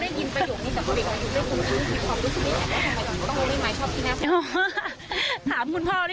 อย่าเอ่ยเชื่อทักษิต่อหน้าไม่ชอบคนนี้